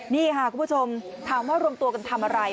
นี่ค่ะคุณผู้ชมถามว่ารวมตัวกันทำอะไร